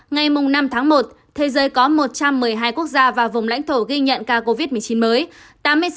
ngày năm tháng một thế giới có một trăm một mươi hai quốc gia và vùng lãnh thổ ghi nhận ca covid một mươi chín mới